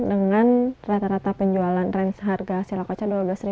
dengan rata rata penjualan harga si lakoca dua belas lima ratus